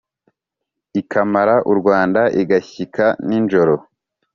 ikamara u rwanda igashyika ninjoro